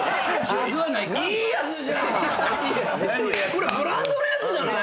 これブランドのやつじゃない⁉